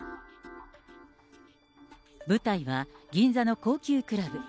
舞台は、銀座の高級クラブ。